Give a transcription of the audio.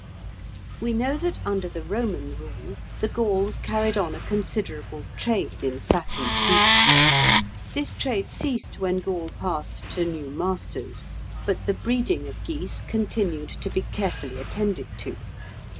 We know that under the Roman rule, the Gauls carried on a considerable trade in fattened geese. This trade ceased when Gaul passed to new masters; but the breeding of geese continued to be carefully attended to.